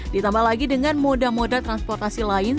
ditambah lagi dengan moda moda transportasi lain